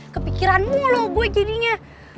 kepikiran mulu gue jadinya